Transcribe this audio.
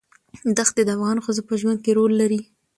دښتې د افغان ښځو په ژوند کې رول لري.